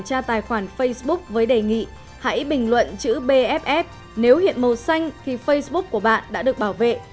hãy bình luận chữ bff nếu hiện màu xanh thì facebook của bạn đã được bảo vệ